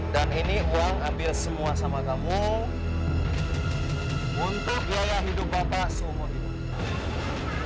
dan ini uang ambil semua sama kamu untuk biaya hidup bapak seumur hidup